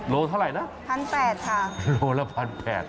โลเท่าไรนะพันแปดค่ะโลละพันแปด